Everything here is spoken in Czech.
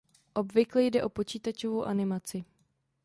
Obvykle jde o počítačovou animaci.